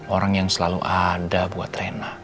orang yang selalu ada buat rena